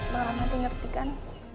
bang ramanti ngerti kan